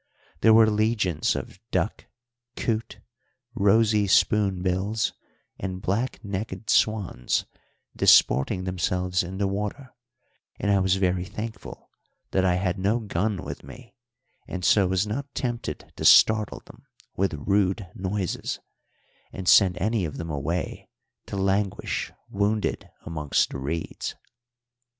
There were legions of duck, coot, rosy spoonbills, and black necked swans disporting themselves in the water, and I was very thankful that I had no gun with me, and so was not tempted to startle them with rude noises, and send any of them away to languish wounded amongst the reeds.